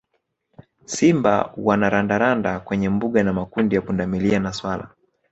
Simba wana randaranda kwenye mbuga na makundi ya pundamilia na swala